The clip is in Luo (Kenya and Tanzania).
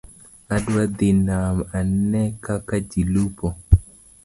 Adwa dhi nam ane kaka ji lupo